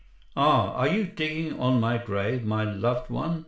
"AH, are you digging on my grave, My loved one?